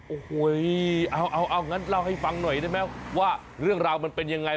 โอ้โหเอางั้นเล่าให้ฟังหน่อยได้ไหมว่าเรื่องราวมันเป็นยังไง